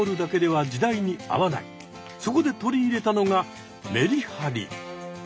そこで取り入れたのがメリハリ。